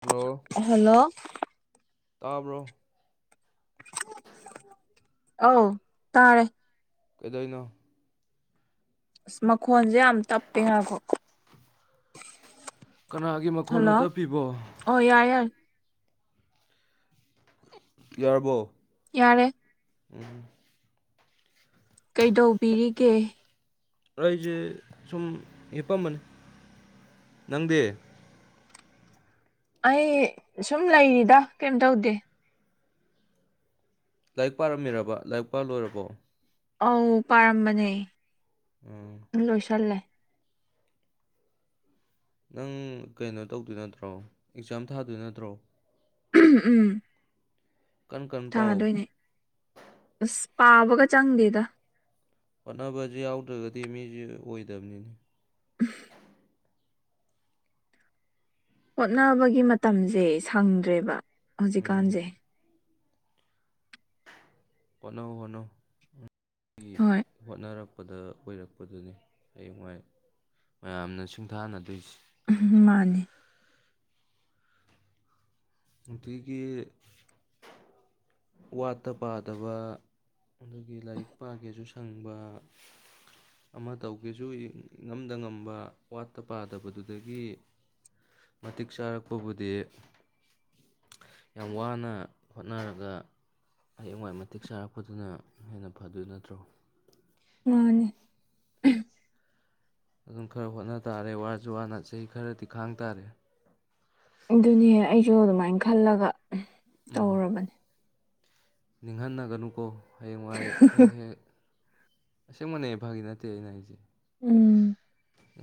hello [inaudible] hello ꯇꯥꯕ꯭ꯔꯣ ꯑꯧ ꯇꯥꯔꯦ ꯀꯗꯣꯏꯅꯣ ꯑꯁ ꯃꯈꯣꯟꯁꯦ ꯌꯥꯝ ꯇꯞꯄꯦ ꯉꯥꯏꯈꯣ ꯀꯅꯥꯒꯤ ꯃꯈꯣꯟꯅꯣ ꯍꯜꯂꯣ ꯇꯞꯄꯤꯕꯣ ꯑꯣ ꯌꯥꯔꯦ ꯌꯥꯔꯦ ꯌꯥꯔꯕꯣ ꯌꯥꯔꯦ ꯎꯝ ꯀꯩꯗꯧꯕꯤꯔꯤꯒꯦ ꯑꯩꯁꯦ ꯁꯨꯝ ꯍꯤꯞꯄꯝꯕꯅꯤ ꯅꯪꯗꯤ ꯑꯩ ꯁꯨꯝ ꯂꯩꯔꯤꯗ ꯀꯩꯝ ꯇꯧꯗꯦ ꯂꯥꯏꯔꯤꯛ ꯄꯥꯔꯝꯃꯤꯔꯕ ꯂꯥꯏꯔꯤꯛ ꯄꯥ ꯂꯣꯏꯔꯕꯣ ꯑꯧ ꯄꯥꯔꯝꯕꯅꯦ ꯎꯝ ꯂꯣꯏꯁꯜꯂꯦ ꯅꯪ ꯀꯩꯅꯣ ꯇꯧꯗꯣꯏ ꯅꯠꯇ꯭ꯔꯣ ꯑꯦꯛꯖꯥꯝ ꯊꯥꯗꯣꯏ ꯅꯠꯇ꯭ꯔꯣ [inaudible] ꯎꯝ ꯀꯟ ꯀꯟ ꯄꯥꯎ ꯊꯥꯗꯣꯏꯅꯦ ꯑꯁ ꯄꯥꯕꯒ ꯆꯪꯗꯦꯗ ꯍꯣꯠꯅꯕꯁꯤ ꯌꯥꯎꯗ꯭ꯔꯒꯗꯤ ꯃꯤꯁꯤ ꯑꯣꯏꯗꯝꯅꯤꯅꯦ [inaudible] ꯍꯣꯠꯅꯕꯒꯤ ꯃꯇꯝꯁꯦ ꯁꯪꯗ꯭ꯔꯦꯕ ꯎꯝ ꯍꯧꯖꯤꯛꯀꯥꯟꯁꯦ ꯍꯣꯠꯅꯧ ꯍꯣꯠꯅꯧ ꯍꯣꯏ [inaudible] ꯍꯣꯠꯅꯔꯛ ꯄꯗ ꯑꯣꯏꯔꯛꯄꯗꯨꯅꯤ ꯍꯌꯦꯡꯋꯥꯏ ꯃꯌꯥꯝꯅ ꯁꯤꯡꯊꯥꯅꯗꯣꯏꯁꯦ ꯃꯥꯅꯦ ꯑꯗꯨꯒꯤ ꯋꯥꯠꯇ ꯄꯥꯗꯕ ꯑꯗꯨꯒꯤ ꯂꯥꯏꯔꯤꯛ ꯄꯥꯒꯦꯁꯨ ꯁꯪꯕ ꯑꯃ ꯇꯧꯒꯦꯁꯨ ꯍꯦ ꯏꯉꯝꯗ ꯉꯝꯕ ꯋꯥꯠꯇ ꯄꯥꯗꯕꯗꯨꯗꯒꯤ ꯃꯇꯤꯛ ꯆꯥꯔꯛꯄꯕꯨꯗꯤ ꯌꯥꯝ ꯋꯥꯅ ꯍꯣꯠꯅꯔꯒ ꯍꯌꯦꯡꯋꯥꯏ ꯃꯇꯤꯛ ꯆꯥꯔꯛꯄꯗꯨꯅ ꯍꯦꯟꯅ ꯐꯗꯣꯏ ꯅꯠꯇ꯭ꯔꯣ ꯃꯥꯅꯦ [inaudible] ꯑꯗꯨꯝ ꯈꯔ ꯍꯣꯠꯅ ꯇꯥꯔꯦ ꯋꯥꯁꯨ ꯋꯥꯅ ꯆꯍꯤ ꯈꯔꯗꯤ ꯈꯥꯡ ꯇꯥꯔꯦ ꯑꯗꯨꯅꯦ ꯑꯩꯁꯨ ꯑꯗꯨꯃꯥꯏꯅ ꯈꯜꯂꯒ ꯇꯧꯔꯕꯅꯦ ꯅꯤꯡꯍꯟꯅꯒꯅꯨꯀꯣ ꯍꯌꯦꯡꯋꯥꯏ ꯍꯦꯛ ꯍꯦꯛ ꯑꯁꯦꯡꯕꯅꯦ ꯐꯥꯒꯤ ꯅꯠꯇꯦ ꯑꯩꯅ ꯍꯥꯏꯁꯦ ꯎꯝ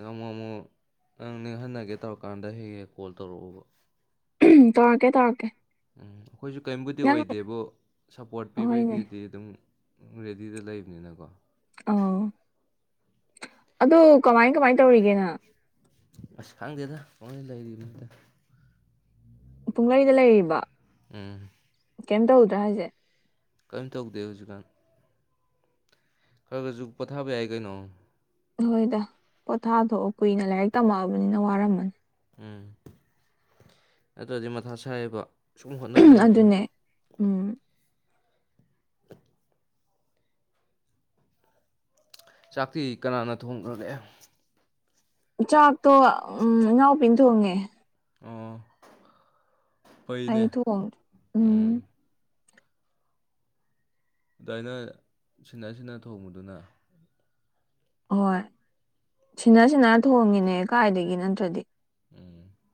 ꯑꯃꯨꯛ ꯑꯃꯨꯛ ꯅꯪ ꯅꯤꯡꯍꯟꯅꯒꯦ ꯇꯧꯔꯀꯥꯟꯗ ꯍꯦꯛ ꯍꯦꯛ ꯀꯣꯜ ꯇꯧꯔꯛꯑꯣꯕ ꯇꯧꯔꯛꯀꯦ ꯇꯧꯔꯛꯀꯦ ꯎꯝ ꯑꯩꯈꯣꯏꯁꯨ ꯀꯩꯝꯕꯨꯗꯤ ꯅꯪ ꯑꯣꯏꯗꯦꯕꯨ ꯁꯞꯄꯣꯔꯠ ꯍꯣꯏꯅꯦ ꯄꯤꯕꯩꯗꯤ ꯗꯤ ꯑꯗꯨꯝ ꯔꯦꯗꯤꯗ ꯂꯩꯕꯅꯤꯅꯀꯣ ꯑꯗꯨ ꯀꯃꯥꯏ ꯀꯃꯥꯏ ꯇꯧꯔꯤꯒꯦ ꯅꯪ ꯑꯁ ꯈꯪꯗꯦꯗ ꯄꯪꯂꯩ ꯂꯩꯔꯤꯝꯅꯤꯗ ꯄꯨꯡꯂꯩꯗ ꯂꯩꯔꯤꯕ ꯎꯪ ꯀꯦꯝ ꯇꯧꯗ꯭ꯔꯥ ꯍꯥꯏꯁꯦ ꯀꯦꯝ ꯇꯧꯗꯦ ꯍꯧꯖꯤꯛꯀꯥꯟ ꯈ꯭ꯔ ꯒ꯭ꯔꯁꯨ ꯄꯣꯊꯥꯕ ꯌꯥꯏ ꯀꯩꯅꯣ ꯍꯣꯏꯗ ꯄꯣꯊꯥꯊꯣꯛꯑꯣ ꯀꯨꯏꯅ ꯂꯥꯏꯔꯤꯛ ꯇꯝꯃꯛꯑꯕꯅꯤꯅ ꯋꯥꯔꯝꯃꯅꯤ ꯎꯝ ꯑꯗꯨꯗꯤ ꯃꯊꯥ ꯁꯥꯏꯌꯦꯕ ꯁꯨꯝ ꯍꯣꯠꯅ ꯂꯩꯕꯁꯦ ꯑꯗꯨꯅꯦ ꯎꯝ [inaudible] ꯆꯥꯛꯇꯤ ꯀꯅꯥꯅ ꯊꯣꯡꯈ꯭ꯔꯒꯦ ꯆꯥꯛꯇꯣ ꯎꯝ ꯏꯅꯥꯎꯄꯤꯅ ꯊꯣꯡꯉꯦ ꯑꯣ ꯐꯩꯅꯦ ꯑꯩ ꯊꯨꯨꯣꯡꯗ꯭ꯔꯦ ꯎꯝ ꯗꯩ ꯗꯩ ꯁꯤꯟꯅ ꯁꯤꯟꯅ ꯊꯣꯡꯕꯗꯨꯅ ꯍꯣꯏ ꯁꯤꯅ ꯁꯤꯅꯔ ꯊꯣꯡꯉꯤꯅꯦ ꯀꯥꯏꯗꯒꯤ ꯅꯠꯇ꯭ꯔꯗꯤ ꯎꯝ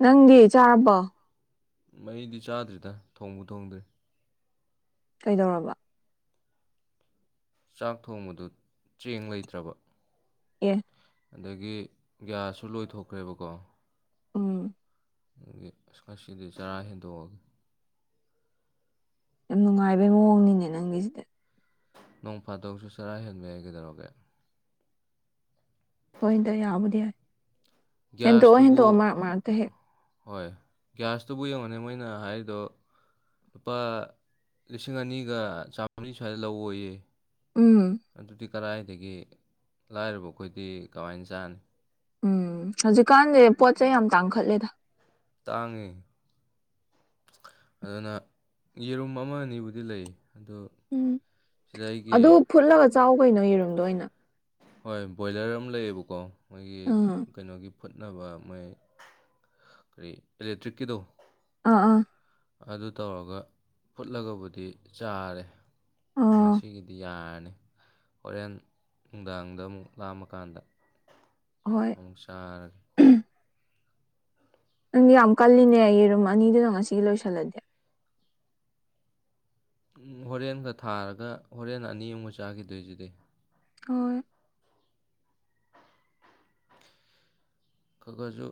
ꯅꯪꯗꯤ ꯆꯥꯔꯥꯕꯣ ꯃꯩꯗꯤ ꯆꯥꯗ꯭ꯔꯤꯗ ꯊꯣꯡꯕꯨ ꯊꯣꯡꯗ꯭ꯔꯤ ꯀꯩꯗꯧꯔꯕ ꯆꯥꯛ ꯊꯣꯡꯕꯗꯨ ꯆꯦꯡ ꯂꯩꯇ꯭ꯔꯕ ꯑꯦ ꯑꯗꯒꯤ ꯒ꯭ꯌꯥꯁꯁꯨ ꯂꯣꯏꯊꯣꯛꯈ꯭ꯔꯦꯕꯀꯣ ꯎꯝ ꯑꯗꯒꯤ ꯑ ꯉꯥꯁꯤꯗꯤ ꯆꯔꯥ ꯍꯦꯟꯗꯣꯛꯑꯒꯦ ꯌꯥꯝ ꯅꯨꯡꯉꯥꯏꯕꯩ ꯃꯑꯣꯡꯅꯤꯅꯦ ꯅꯪꯒꯤꯁꯤꯗꯤ ꯅꯣꯡ ꯐꯥꯗꯣꯛꯁꯨ ꯆꯔꯥ ꯍꯦꯟꯕ ꯌꯥꯏ ꯀꯩꯗꯧꯔꯒꯦ ꯍꯣꯏꯗ ꯌꯥꯕꯨꯗꯤ ꯌꯥꯏ ꯍꯦꯟꯇꯣꯛꯑꯣ ꯒ꯭ꯌꯥꯁꯇꯨꯕꯨ ꯍꯦꯟꯇꯣꯛꯑꯣ ꯃꯔꯛ ꯃꯔꯛꯇ ꯍꯦꯛ ꯍꯣꯏ ꯒ꯭ꯌꯥꯁꯇꯕꯨ ꯌꯦꯡꯉꯨꯅꯦ ꯃꯣꯏꯅ ꯍꯥꯏꯔꯤꯗꯣ ꯂꯨꯄꯥ ꯂꯤꯁꯤꯡ ꯑꯅꯤꯒ ꯆꯥꯝꯃ꯭ꯔꯤ ꯁ꯭ꯋꯥꯏꯗ ꯂꯧꯋꯣꯌꯦ ꯎꯝ ꯑꯗꯨꯗꯤ ꯀꯔꯥꯏꯗꯒꯤ ꯂꯥꯏꯔꯕ ꯑꯩꯈꯣꯏꯗꯤ ꯀꯃꯥꯏꯅ ꯆꯥꯅꯤ ꯎꯝ ꯍꯧꯖꯤꯛꯀꯥꯟꯖꯦ ꯄꯣꯠ ꯆꯩꯩ ꯌꯥꯝ ꯇꯥꯡꯈꯠꯂꯦꯗ ꯇꯥꯡꯉꯤ ꯑꯗꯨꯅ ꯌꯦꯔꯨꯝ ꯑꯃ ꯑꯅꯤꯕꯨꯗꯤ ꯂꯩ ꯑꯗꯨ ꯎꯝ ꯁꯤꯗ ꯑꯩꯒꯤ ꯑꯗꯨ ꯐꯨꯠꯂꯒ ꯆꯥꯎ ꯀꯩꯅꯣ ꯌꯦꯔꯨꯝꯗꯣ ꯑꯣꯏꯅ ꯍꯣꯏ ꯕꯣꯏꯂꯔ ꯑꯃ ꯂꯩꯌꯦꯕꯀꯣ ꯃꯣꯏꯒꯤ ꯎꯝ ꯀꯩꯅꯣꯒꯤ ꯐꯨꯠꯅꯕ ꯃꯣꯏ ꯀꯔꯤ ꯏꯂꯦꯛꯇ꯭ꯔꯤꯛꯀꯤꯗꯣ ꯑꯥ ꯑꯥ ꯑꯗꯨ ꯇꯧꯔꯒ ꯐꯨꯠꯂꯒꯕꯨꯗꯤ ꯆꯥꯔꯦ ꯑꯣ ꯉꯁꯤꯒꯤꯗꯤ ꯌꯥꯔꯅꯤ ꯍꯣꯔꯦꯟ ꯅꯨꯡꯗꯥꯡꯗ ꯑꯃꯨꯛ ꯂꯥꯝꯃꯀꯥꯟꯗ ꯍꯣꯏ ꯑꯃꯨꯛ ꯆꯥꯔꯒꯦ ꯅꯪꯗꯤ ꯌꯥꯝ ꯀꯜꯂꯤꯅꯦ ꯌꯦꯔꯨꯝ ꯑꯅꯤꯗꯨꯅ ꯉꯁꯤꯒꯤ ꯂꯣꯏꯁꯜꯂꯗꯤ ꯍꯣꯔꯦꯟꯒ ꯊꯥꯔꯒ ꯍꯣꯔꯦꯟ ꯑꯅꯤꯃꯒ ꯆꯥꯒꯤꯗꯣꯏꯁꯤꯗꯤ ꯍꯣꯏ ꯈꯒꯖꯨ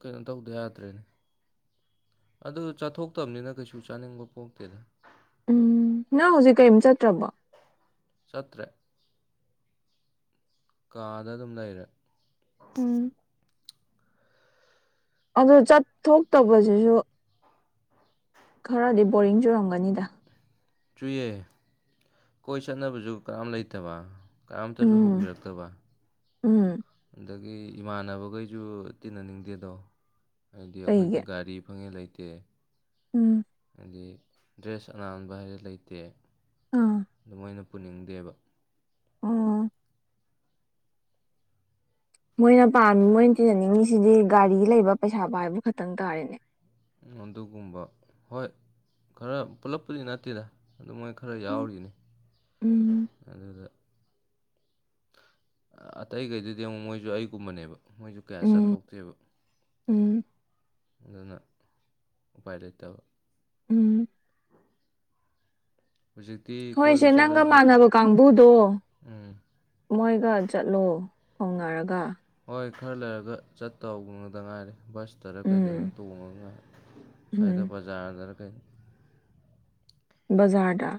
ꯀꯩꯅꯣ ꯇꯧꯗ ꯌꯥꯗ꯭ꯔꯦ ꯑꯗꯨ ꯆꯥꯊꯣꯛꯇꯝꯅꯤꯅ ꯀꯩꯁꯨ ꯆꯥꯅꯤꯡꯕ ꯄꯣꯛꯇꯦꯗ ꯎꯝ ꯅꯪ ꯍꯧꯖꯤꯛ ꯀꯩꯝ ꯆꯠꯇ꯭ꯔꯕꯣ ꯆꯠꯇ꯭ꯔꯦ ꯀꯥꯗ ꯑꯗꯨꯝ ꯂꯩꯔꯦ ꯎꯝ ꯑꯗꯨ ꯆꯠꯊꯣꯛꯇꯕꯖꯤꯖꯨ ꯈꯔꯗꯤ ꯕꯣꯔꯤꯡ ꯆꯨꯔꯝꯒꯅꯤꯗ ꯆꯨꯏꯌꯦ ꯀꯣꯏ ꯆꯠꯅꯕꯖꯨ ꯀꯅꯥꯝ ꯂꯩꯇꯕ ꯀꯅꯥꯝꯇꯖꯨ ꯎꯝ ꯍꯧꯕꯤꯔꯛꯇꯕ ꯎꯝ ꯑꯗꯒꯤ ꯏꯃꯥꯟꯅꯕꯒꯩꯖꯨ ꯇꯤꯟꯅꯅꯤꯡꯗꯦꯗꯣ ꯍꯥꯏꯗꯤ ꯑꯩꯈꯣꯏꯗꯤ ꯀꯩꯒꯤ ꯒꯥꯔꯤ ꯐꯪꯉꯦ ꯂꯩ ꯇꯦ ꯎꯝ ꯗꯤ ꯗ꯭ꯔꯦꯁ ꯑꯅꯥꯟꯕ ꯍꯥꯏꯔꯦ ꯂꯩꯇꯦ ꯑꯥ ꯗꯨꯃꯣꯏꯅ ꯄꯨꯅꯤꯡꯗꯦꯕ ꯑꯣ ꯃꯣꯏꯅ ꯄꯥꯝꯃꯤ ꯃꯣꯏꯅ ꯇꯤꯅꯅꯤꯡꯉꯤꯁꯤꯗꯤ ꯒꯥꯔꯤ ꯂꯩꯕ ꯄꯩꯁꯥ ꯄꯥꯏꯕ ꯈꯛꯇꯪ ꯇꯥꯔꯦꯅꯦ ꯑꯗꯨꯒꯨꯝꯕ ꯍꯣꯏ ꯈꯔ ꯄꯨꯂꯞ ꯄꯨꯗꯤ ꯅꯠꯇꯦꯗ ꯑꯗꯨ ꯃꯣꯏ ꯈꯔ ꯎꯝ ꯌꯥꯎꯔꯤꯅꯦ ꯎꯝ ꯑꯗꯨꯗ ꯑꯇꯩꯒꯩꯗꯨꯗꯤ ꯑꯃꯨꯛ ꯃꯣꯏꯖꯨ ꯑꯩꯒꯨꯝꯕꯅꯦꯕ ꯃꯣꯏꯖꯨ ꯀꯌꯥ ꯎꯝ ꯆꯠꯊꯣꯛꯇꯦꯕ ꯎꯝ ꯑꯗꯨꯅ ꯎꯄꯥꯏ ꯂꯩꯇꯕ ꯎꯝ ꯍꯧꯖꯤꯛꯇꯤ ꯀꯣꯏꯕ ꯍꯣꯏꯁꯦ ꯅꯪꯒ ꯆꯠꯂꯁꯨ ꯃꯥꯟꯅꯕ ꯀꯥꯡꯕꯨꯗꯣ ꯎꯝ ꯃꯣꯏꯒ ꯆꯠꯂꯣ ꯍꯧꯅꯔꯒ ꯍꯣꯏ ꯈꯔ ꯂꯩꯔꯒ ꯆꯠꯇꯧ ꯗ ꯉꯥꯏꯔꯦ ꯕꯁꯇꯔꯥ ꯀꯩꯗꯔꯥ ꯎꯝ ꯇꯣꯡꯉꯥꯒ ꯁ꯭ꯋꯥꯏꯗ ꯎꯝ ꯕꯖꯥꯔꯗꯔꯥ ꯀꯩꯅꯣ ꯕꯖꯥꯔꯗ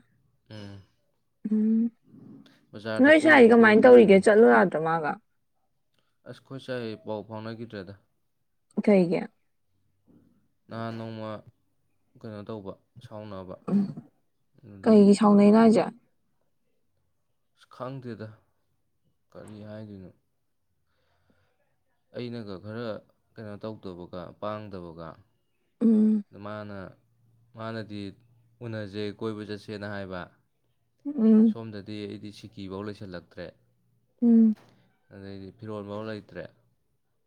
ꯎꯝ ꯎꯝ ꯕꯖꯥꯔꯗ ꯅꯣꯏ ꯁꯥꯏꯗꯤ ꯀꯣꯏꯕꯁꯨ ꯀꯃꯥꯏꯅ ꯀꯣꯏꯕꯅꯤ ꯀꯩꯅꯣ ꯇꯧꯔꯤꯒꯦ ꯆꯠꯂꯨ ꯌꯥꯗ꯭ꯔ ꯃꯥꯒ ꯑꯁ ꯈꯣꯏ ꯁꯥꯏ ꯄꯥꯎ ꯐꯥꯎꯅꯈꯤꯗ꯭ꯔꯦꯗ ꯀꯩꯒꯤ ꯅꯍꯥꯟ ꯅꯣꯡꯃ ꯀꯩꯅꯣ ꯇꯧꯕ ꯁꯥꯎꯅꯕ ꯎꯝ ꯑꯗꯨꯗꯒꯤ ꯀꯩꯒꯤ ꯁꯥꯎꯅꯩꯅꯣ ꯍꯥꯏꯖꯦ ꯑꯁ ꯈꯪꯗꯦꯗ ꯀꯔꯤ ꯍꯥꯏꯗꯣꯏꯅꯣ ꯑꯩꯅꯒ ꯈꯔ ꯀꯩꯅꯣ ꯇꯧꯗꯕꯒ ꯄꯥꯡꯗꯕꯒ ꯎꯝ ꯑꯗ ꯃꯥꯅ ꯃꯥꯅꯗꯤ ꯎꯅꯖꯦ ꯀꯣꯏꯕ ꯆꯠꯁꯦꯅ ꯍꯥꯏꯕ ꯎꯝ ꯁꯣꯝꯗꯗꯤ ꯑꯩꯗꯤ ꯁꯤꯀꯤꯕꯧ ꯂꯩꯁꯜꯂꯛꯇ꯭ꯔꯦ ꯎꯝ ꯑꯗꯩꯗꯤ ꯐꯤꯔꯣꯜ ꯕꯧ ꯂꯩꯇ꯭ꯔꯦ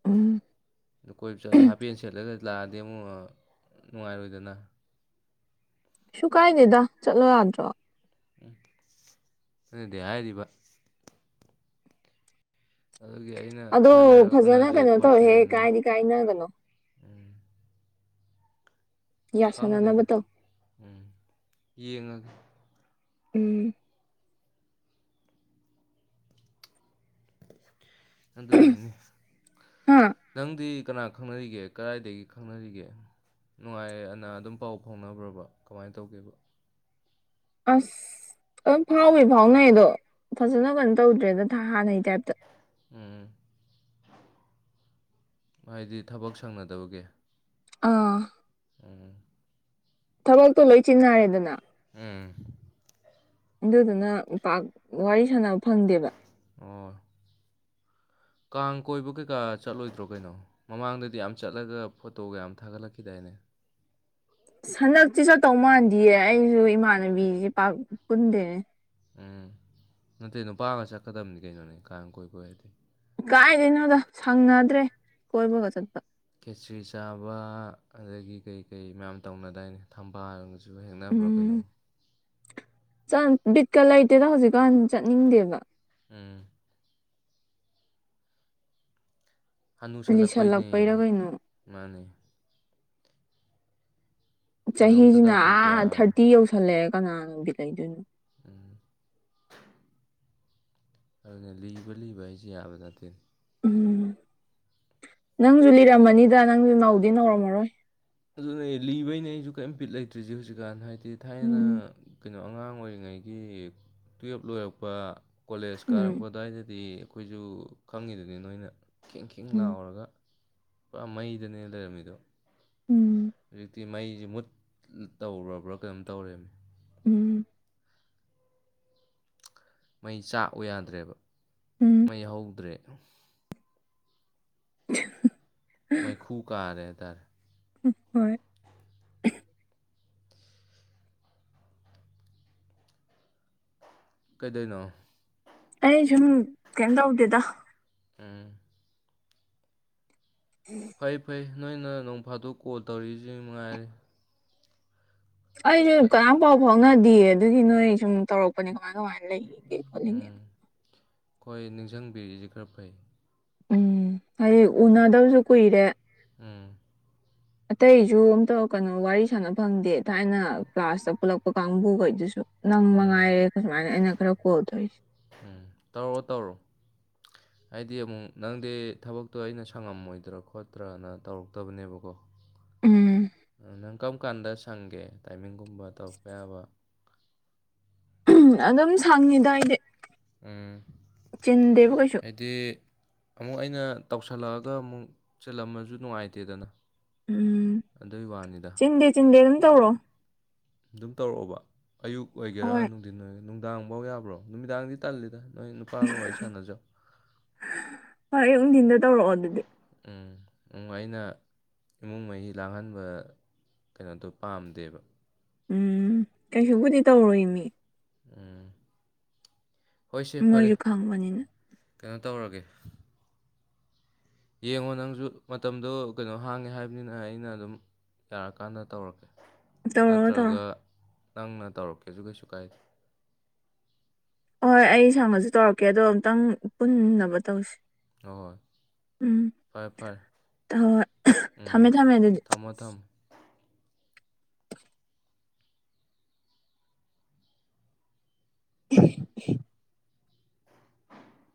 ꯎꯝ ꯑꯗꯨ ꯀꯣꯏꯕ ꯆꯠꯂ ꯍꯥꯄꯦꯟ ꯁꯦꯠꯂꯒ ꯂꯥꯛꯑꯗꯤ ꯑꯃꯨꯛ ꯅꯨꯡꯉꯥꯏꯔꯣꯏꯗꯅ ꯁꯨ ꯀꯥꯏꯗꯦꯗ ꯆꯠꯂꯣ ꯌꯥꯗ꯭ꯔꯣ ꯎꯝ ꯅꯪꯅꯗꯤ ꯍꯥꯏꯔꯤꯕ ꯑꯗꯨꯒꯤ ꯑꯩꯅ ꯑꯗꯣ ꯈꯔ ꯂꯩꯔꯒ ꯐꯖꯅ ꯎꯅꯁꯦ ꯀꯩꯅꯣ ꯇꯧꯍꯦ ꯈꯣꯠꯁꯦꯅ ꯀꯥꯏꯗꯤ ꯀꯥꯏꯅꯒꯅꯣ ꯎꯝ ꯌꯥꯁꯟꯅꯅꯕ ꯈꯪꯗꯦꯗ ꯇꯧ ꯎꯝ ꯌꯦꯡꯉꯒꯦ ꯎꯝ ꯑꯗꯨꯏꯅꯤꯅꯦ ꯍꯥ ꯅꯪꯗꯤ ꯀꯅꯥ ꯈꯪꯅꯔꯤꯒꯦ ꯀꯔꯥꯏꯗꯒꯤ ꯈꯪꯅꯔꯤꯒꯦ ꯅꯨꯡꯉꯥꯏꯔꯦ ꯑꯅ ꯑꯗꯨꯝ ꯄꯥꯎ ꯐꯥꯎꯅꯕ꯭ꯔꯣꯕ ꯀꯃꯥꯏ ꯇꯧꯒꯦꯕ ꯑꯁ ꯑꯗꯨꯝ ꯐꯥꯎꯕꯨꯗꯤ ꯐꯥꯎꯅꯩ ꯑꯗꯣ ꯐꯖꯅ ꯀꯩꯅꯣ ꯇꯧꯗ꯭ꯔꯦꯗ ꯍꯥꯟꯅꯩ ꯇꯥꯏꯞꯇ ꯎꯝ ꯍꯥꯏꯗꯤ ꯊꯕꯛ ꯁꯪꯅꯗꯕꯒꯤ ꯑꯥ ꯎꯝ ꯊꯕꯛꯇꯣ ꯂꯣꯏ ꯆꯤꯟꯅꯔꯦꯗꯅ ꯎꯝ ꯑꯗꯨꯗꯨꯅ ꯄꯥꯛ ꯋꯥꯔꯤ ꯁꯥꯟꯅꯕ ꯐꯪꯗꯦꯕ [inaudible] ꯑꯣ ꯀꯥꯡ ꯀꯣꯏꯕ ꯀꯩꯀꯥ ꯆꯠꯂꯣꯏꯗ꯭ꯔꯣ ꯀꯩꯅꯣ ꯃꯃꯥꯡꯗꯗꯤ ꯌꯥꯝ ꯆꯠꯂꯒ ꯐꯣꯇꯣꯒ ꯌꯥꯝ ꯊꯥꯒꯠꯂꯛꯈꯤꯗꯥꯏꯅꯦ ꯍꯟꯗꯛꯇꯤ ꯆꯠꯇꯧ ꯃꯥꯟꯗꯤꯌꯦ ꯑꯩꯖꯨ ꯏꯃꯥꯟꯅꯕꯤꯁꯦ ꯄꯥꯛ ꯄꯨꯟꯗꯦꯅꯦ ꯎꯝ ꯅꯠꯇꯦ ꯅꯨꯄꯥꯒ ꯆꯠꯀꯗꯕꯅꯤ ꯀꯩꯅꯣꯅꯦ ꯀꯥꯡ ꯀꯣꯏꯕ ꯑꯣꯏꯔꯗꯤ ꯀꯥꯏꯗꯩꯅꯣꯗ ꯁꯪꯅꯗ꯭ꯔꯦ ꯀꯣꯏꯕꯒ ꯆꯠꯄ ꯈꯦꯆ꯭ꯔꯤ ꯆꯥꯕ ꯑꯗꯩꯒꯤ ꯀꯩ ꯀꯩ ꯌꯥꯝ ꯇꯧꯅꯗꯥꯏꯅꯦ ꯊꯝꯕꯥꯜꯒꯁꯨ ꯁꯨ ꯍꯦꯛꯅꯕ꯭ꯔ ꯀꯩꯅꯣ ꯆꯥꯟ ꯕꯤꯠꯀ ꯂꯩꯇꯦꯗ ꯍꯧꯖꯤꯛꯀꯥꯟ ꯆꯠꯅꯤꯡꯗꯦꯕ ꯎꯝ ꯍꯟꯅꯨꯁꯜꯂꯛꯄꯩꯅꯦ ꯂꯤꯁꯜꯂꯛꯄꯩꯔ ꯀꯩꯅꯣ ꯃꯥꯅꯦ ꯀꯩꯅꯣꯝꯇ ꯆꯍꯤꯖꯤꯅ ꯇꯧꯊꯣꯛꯇ ꯑꯥ ꯌꯥꯔꯔꯣꯏ ꯊꯥꯔꯇꯤ ꯌꯧꯁꯜꯂꯛꯑꯦ ꯀꯅꯥꯅꯕꯨ ꯕꯤꯠ ꯂꯩꯗꯣꯏꯅꯣ ꯎꯝ ꯑꯗꯨꯅ ꯂꯤꯕ ꯂꯤꯕ ꯍꯥꯏꯁꯤ ꯌꯥꯕ ꯅꯠꯇꯦ ꯎꯝ ꯅꯪꯁꯨ ꯂꯤꯔꯝꯃꯅꯤꯗ ꯅꯪꯁꯨ ꯅꯧꯗꯤ ꯅꯧꯔꯝꯃꯔꯣꯏ ꯑꯗꯨꯅꯦ ꯂꯤꯕꯩꯅꯦ ꯑꯩꯁꯨ ꯀꯩꯝ ꯕꯤꯠ ꯂꯩꯇ꯭ꯔꯤꯁꯦ ꯍꯧꯖꯤꯛꯀꯥꯟ ꯍꯥꯏꯗꯤ ꯊꯥꯏꯅ ꯎꯝ ꯀ ꯑꯗꯣ ꯑꯉꯥꯡ ꯑꯣꯏꯔꯤꯉꯩꯒꯤ ꯇꯨꯌꯦꯜꯞ ꯂꯣꯏꯔꯛꯄ ꯀꯣꯂꯦꯖ ꯀꯥꯔꯛꯄ ꯎꯝ ꯑꯗ꯭ꯋꯥꯏꯗꯗꯤ ꯑꯩꯈꯣꯏꯖꯨ ꯈꯪꯉꯤꯗꯨꯗꯤ ꯅꯣꯏꯅ ꯈꯤꯡ ꯈꯤꯡ ꯎꯝ ꯂꯥꯎꯔꯒ ꯄ ꯃꯩꯗꯅꯦ ꯂꯩꯔꯝꯃꯤꯗꯣ ꯎꯝ ꯍꯧꯖꯤꯛꯇꯤ ꯃꯩꯁꯤ ꯃꯨꯠ ꯇꯧꯔꯕ꯭ꯔ ꯀꯩꯅꯣꯝ ꯇꯧꯔꯦꯃꯤ ꯎꯝ ꯃꯩ ꯆꯥꯛꯎ ꯌꯥꯗ꯭ꯔꯦꯕ ꯎꯝ ꯃꯩ ꯍꯧꯗ꯭ꯔꯦ [inaudible] ꯃꯩꯈꯨ ꯀꯥꯔꯦ ꯍꯥꯏꯇꯥꯔꯦ ꯎ ꯍꯣꯏ ꯀꯩꯗꯩꯅꯣ ꯑꯩ ꯁꯨꯝ ꯀꯩꯝ ꯇꯧꯗꯦꯗ ꯎꯝ ꯐꯩ ꯐꯩ ꯅꯣꯏꯅ ꯅꯣꯡꯐꯥꯇꯣꯛ ꯀꯣꯜ ꯇꯧꯔꯤꯛꯏꯁꯤ ꯃꯉꯥꯏꯔꯦ ꯑꯩꯁꯨ ꯈꯔ ꯀꯅꯝ ꯄꯥꯎ ꯐꯥꯎꯅꯗꯤꯌꯦ ꯑꯗꯨꯒꯤ ꯅꯣꯏ ꯁꯨꯝ ꯇꯧꯔꯛꯄꯅꯤ ꯀꯃꯥꯏ ꯀꯃꯥꯏꯅ ꯂꯩꯔꯤꯒꯦ ꯈꯣꯠꯂꯤꯒꯦꯅ ꯍꯣꯏ ꯅꯤꯡꯁꯪꯕꯤꯔꯤꯁꯤ ꯈꯔ ꯐꯩ ꯎꯝ ꯍꯥꯏꯗꯤ ꯑꯦ ꯎꯅꯗꯕꯁꯨ ꯀꯨꯏꯔꯦ ꯎꯝ ꯑꯇꯩꯁꯨ ꯑꯝꯇ ꯀꯩꯅꯣ ꯋꯥꯔꯤ ꯁꯥꯟꯅ ꯐꯪꯗꯦ ꯊꯥꯏꯅ ꯀ꯭ꯂꯥꯁꯇ ꯄꯨꯜꯂꯛ ꯄ ꯀꯥꯡꯕꯨ ꯒꯩꯗꯨꯁꯨ ꯅꯪ ꯎꯝ ꯃꯉꯥꯏꯔꯦ ꯁꯨꯃꯥꯢꯅ ꯑꯩꯅ ꯈꯔ ꯀꯣꯜ ꯇꯩꯁꯦ ꯎꯝ ꯇꯧꯔꯛꯑꯣ ꯇꯧꯔꯣ [inaudible] ꯍꯥꯏꯗꯤ ꯑꯃꯨꯛ ꯅꯪꯗꯤ ꯊꯕꯛꯇꯣ ꯑꯩꯅ ꯁꯪꯉꯝꯃꯣꯏꯗ꯭ꯔ ꯈꯣꯠꯇ꯭ꯔꯅ ꯇꯧꯔꯛꯇꯕꯅꯦꯕꯀꯣ ꯎꯝ ꯅꯪ ꯀꯔꯝ ꯀꯥꯟꯗ ꯁꯪꯒꯦ ꯇꯥꯏꯃꯤꯡꯒꯨꯝꯕ ꯇꯧꯔꯛꯄ ꯌꯥꯕ ꯑꯗꯨꯝ ꯁꯪꯉꯤꯗ ꯑꯩꯗꯤ ꯎꯝ ꯆꯤꯟꯗꯦꯕ ꯀꯩꯁꯨ ꯍꯥꯏꯗꯤ ꯑꯃꯨꯛ ꯑꯩꯅ ꯇꯧꯁꯜꯂꯛꯑꯒ ꯑꯃꯨꯛ ꯆꯤꯜꯂꯝꯃꯁꯨ ꯅꯨꯡꯉꯥꯏꯇꯦꯗꯅ ꯎꯝ ꯑꯗꯨꯒꯤ ꯋꯥꯅꯤꯗ ꯆꯤꯟꯗꯦ ꯆꯤꯟꯗꯦ ꯑꯗꯨꯝ ꯇꯧꯔꯣ ꯑꯗꯨꯝ ꯇꯧꯔꯛꯑꯣꯕ ꯑꯌꯨꯛ ꯑꯣꯏꯒꯦꯔꯥ ꯍꯣꯏ ꯅꯨꯡꯊꯤꯟ ꯑꯣꯏꯒꯦꯔꯥ ꯅꯨꯡꯗꯥꯡꯐꯧ ꯌꯥꯕ꯭ꯔꯣ ꯅꯨꯃꯤꯗꯥꯡꯗꯤ ꯇꯜꯂꯤꯗ ꯅꯣꯏ ꯅꯨꯄꯥꯒ ꯋꯥꯔꯤ ꯁꯥꯟꯅꯖꯧ ꯍꯣꯏ ꯑꯌꯨꯛ ꯅꯨꯡꯊꯤꯟꯗ ꯇꯧꯔꯛꯑꯣ ꯑꯗꯨꯗꯤ ꯎꯝ ꯎꯝ ꯑꯩꯅ ꯏꯃꯨꯡ ꯃꯍꯤ ꯂꯥꯡꯍꯟꯕ ꯀꯩꯅꯣꯗꯣ ꯄꯥꯝꯗꯦꯕ ꯎꯝ ꯀꯩꯁꯨꯕꯨꯗꯤ ꯇꯧꯔꯣꯏ ꯃꯤ ꯎꯝ ꯍꯣꯏꯁꯦ ꯐꯔꯦ ꯃꯣꯏꯁꯨ ꯈꯪꯕꯅꯤꯅ ꯀꯩꯅꯣ ꯇꯧꯔꯒꯦ ꯌꯦꯡꯉꯣ ꯅꯪꯁꯨ ꯃꯇꯝꯗꯣ ꯀꯩꯅꯣ ꯍꯥꯡꯉꯦ ꯍꯥꯏꯕꯅꯤꯅ ꯑꯩꯅ ꯑꯗꯨꯝ ꯌꯥꯔꯀꯥꯟꯗ ꯇꯧꯔꯛꯀꯦ ꯇꯧꯔꯛꯑꯣ ꯇꯧꯔꯛꯑꯣ ꯅꯠꯇ꯭ꯔꯒ ꯅꯪꯅ ꯇꯧꯔꯛꯀꯦꯁꯨ ꯀꯩꯁꯨ ꯀꯥꯏꯗꯦ ꯍꯣꯏ ꯑꯩ ꯁꯪꯉꯁꯨ ꯇꯧꯔꯛꯀꯦ ꯑꯗꯣ ꯑꯃꯨꯛꯇꯪ ꯄꯨꯟꯅꯕ ꯇꯧꯁꯤ ꯍꯣꯍꯣꯏ ꯐꯔꯦ ꯐꯔꯦ ꯍꯣꯢ [inaudible] ꯎꯝ ꯊꯃꯦ ꯊꯃꯦ ꯑꯗꯨꯗꯤ ꯊꯝꯃꯣ ꯊꯝꯃꯣ [inaudible]